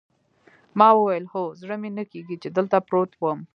ما وویل: هو، زړه مې نه کېږي چې دلته پروت وم.